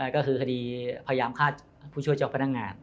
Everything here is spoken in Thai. ก็คือคดีพยายามฆ่าผู้ช่วยเจ้าพนักงาน